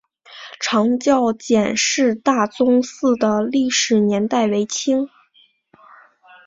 长教简氏大宗祠的历史年代为清。